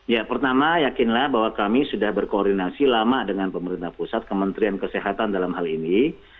ya pertama yakinlah bahwa kami sudah berkoordinasi lama dengan pemerintah pusat kementerian kesehatan dalam hal ini